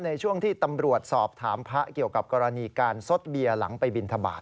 ในช่วงที่ตำรวจสอบถามพระเกี่ยวกับกรณีการซดเบียร์หลังไปบินทบาท